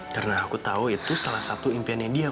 karena aku tahu itu salah satu impiannya dia